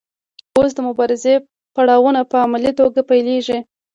اوس د مبارزې پړاوونه په عملي توګه پیلیږي.